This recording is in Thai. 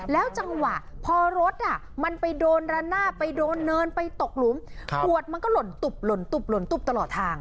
แล้วจังหวะพอรถมันไปโดนระหน้าไปโดนเนินไปตกหลุมขวดมันก็หล่นตุบตลอดทาง